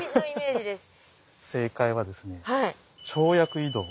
正解はですね跳躍移動。